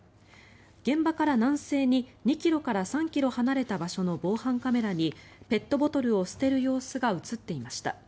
現場から南西に２ｋｍから３ｋｍ離れた場所の防犯カメラにペットボトルを捨てる様子が映っていました。